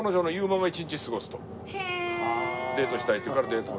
デートしたいって言うからデートを。